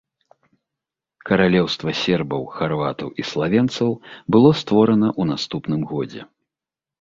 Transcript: Каралеўства сербаў, харватаў і славенцаў было створана ў наступным годзе.